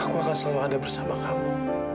aku akan selalu ada bersama kamu